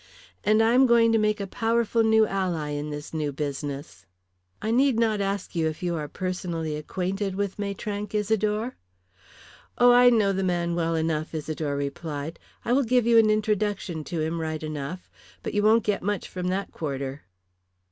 And I am going to make a powerful new ally in this new business. I need not ask you if you are personally acquainted with Maitrank, Isidore?" "Oh, I know the man well enough," Isidore replied. "I will give you an introduction to him right enough. But you won't get much from that quarter."